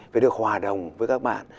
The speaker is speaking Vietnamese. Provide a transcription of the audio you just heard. phải được hòa đồng với các bạn